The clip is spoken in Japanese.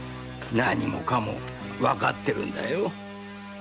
何もかもわかってるんだよ。